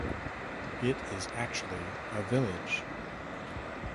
It is actually a village.